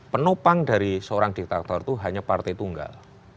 penopang dari seorang diktator itu hanya partai tunggal